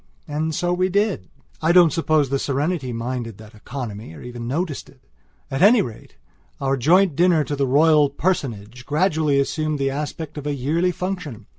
And so we did. I don't suppose the Serenity minded that economy, or even noticed it. At any rate, our joint dinner to the Royal Personage gradually assumed the aspect of a yearly function.